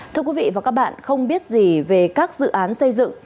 thưa quý vị và các bạn không biết gì về các dự án xây dựng